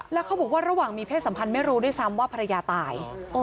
แล้วเขาบอกว่าระหว่างมีเพศสัมพันธ์ไม่รู้ด้วยซ้ำว่าภรรยาตาย